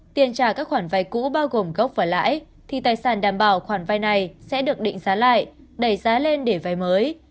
tiền trả các khoản vay cũ bao gồm gốc và lãi thì tài sản đảm bảo khoản vay này sẽ được định giá lại đẩy giá lên để vay mới